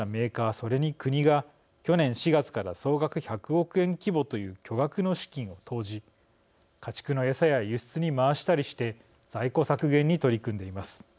それに国が去年４月から総額１００億円規模という巨額の資金を投じ家畜のエサや輸出に回したりして在庫削減に取り組んでいます。